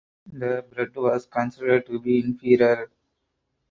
The bread was considered to be inferior.